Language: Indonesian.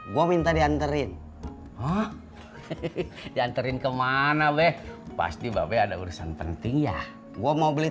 gua minta dianterin hah diantarin ke mana beh pasti babi ada urusan penting ya gua mau beli